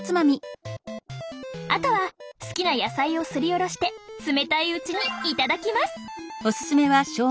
あとは好きな野菜をすりおろして冷たいうちに頂きます！